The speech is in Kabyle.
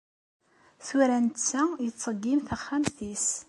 Tura netta, yettseggim taxxamt-is.